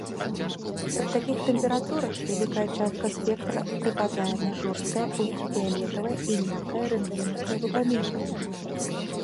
Пры такіх тэмпературах вялікая частка спектра прыпадае на жорсткае ультрафіялетавае і мяккае рэнтгенаўскае выпраменьванне.